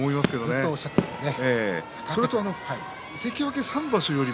ずっとおっしゃっていますね。